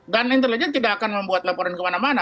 dan intelijen tidak akan membuat laporan kemana mana